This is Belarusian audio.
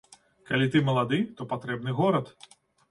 Калі ты малады, то патрэбны горад.